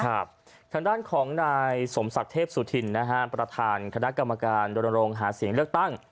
ทางด้านของนายสมศักดิ์เทพสุธินนะฮะประธานคณะกรรมการรณรงค์หาเสียงเลือกตั้ง